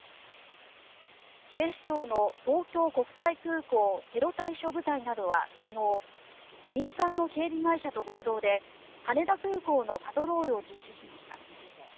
警視庁の東京国際空港テロ対処部隊などは昨日民間の警備会社と合同で羽田空港のパトロールを実施しました。